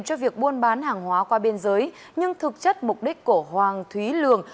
cho việc buôn bán hàng hóa qua biên giới nhưng thực chất mục đích của hoàng thúy lường